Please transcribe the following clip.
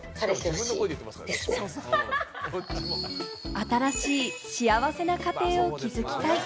新しい幸せな家庭を築きたい。